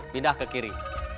pindah ke kiri